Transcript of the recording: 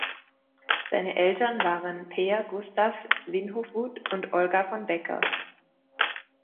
Seine Eltern waren Pehr Gustaf Svinhufvud und Olga von Becker.